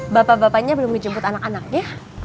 bapak bapaknya belum menjemput anak anaknya